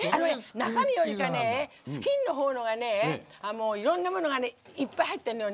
中身よりかね、スキンの方がいろんなものがいっぱい入ってるのよ！